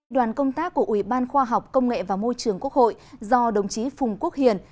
đoàn công tác của ủy ban khoa học công nghệ và môi trường quốc hội do đồng chí phùng quốc hiền